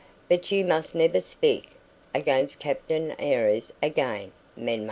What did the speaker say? But you must never spik against Captain 'Arrees again, menma."